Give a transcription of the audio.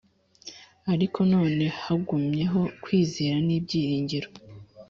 Ariko none hagumyeho kwizera n ibyiringiro